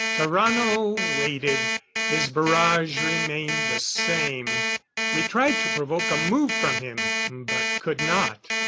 Tarrano waited; his barrage remained the same. We tried to provoke a move from him, but could not.